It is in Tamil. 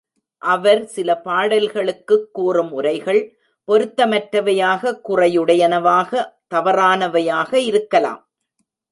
அவர் சில பாடல்களுக்குக் கூறும் உரைகள் பொருத்தமற்றவையாக, குறையுடையனவாக, தவறானவையாக இருக்கலாம்.